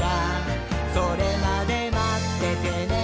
「それまでまっててねー！」